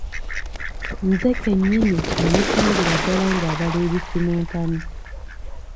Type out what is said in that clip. Nze ke nnyini namusangira ddala ng'abala ebifi mu ntamu.